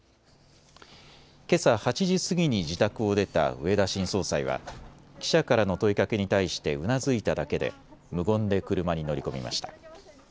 けさ８時過ぎに自宅を出た植田新総裁は記者からの問いかけに対してうなずいただけで無言で車に乗り込みました。